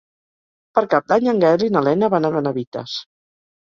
Per Cap d'Any en Gaël i na Lena van a Benavites.